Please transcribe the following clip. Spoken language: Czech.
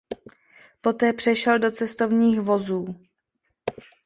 Poté přešel do cestovních vozů.